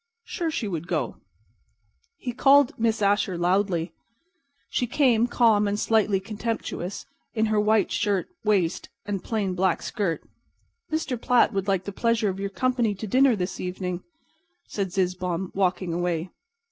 Sure, she would go." He called Miss Asher loudly. She came, calm and slightly contemptuous, in her white shirt waist and plain black skirt. "Mr. Platt would like the pleasure of your company to dinner this evening," said Zizzbaum, walking away.